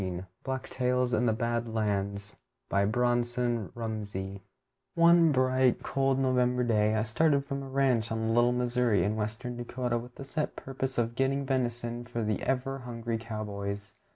_ Blacktails in the Bad Lands One bright, cold November day I started from a ranch on the Little Missouri, in western Dakota, with the set purpose of getting venison for the ever hungry cow boys.